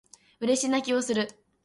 嬉し泣きをする